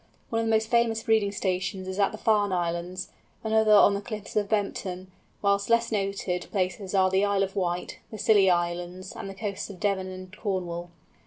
One of the most famous breeding stations is at the Farne Islands; another on the cliffs at Bempton; whilst less noted places are in the Isle of Wight, the Scilly Islands, and the coasts of Devon and Cornwall.